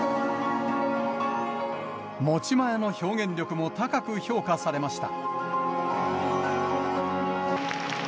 持ち前の表現力も高く評価されました。